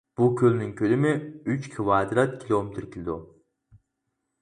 بۇ كۆلنىڭ كۆلىمى ئۈچ كىۋادرات كىلومېتىر كېلىدۇ.